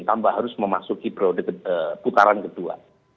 tambah harus memasuki periode putaran kedua